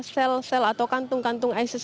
enam belas sel sel atau kantung kantung isis